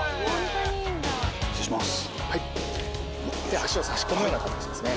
足を差し込むような形ですね。